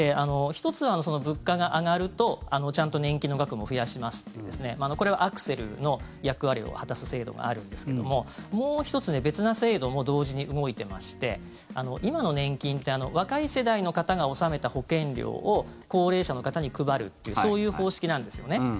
１つは物価が上がると、ちゃんと年金の額も増やしますというこれはアクセルの役割を果たす制度があるんですけどももう１つ、別な制度も同時に動いてまして今の年金って若い世代の方が納めた保険料を高齢者の方に配るというそういう方式なんですよね。